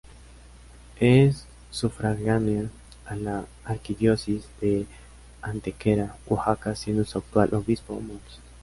Es sufragánea a la Arquidiócesis de Antequera, Oaxaca siendo su actual obispo Mons.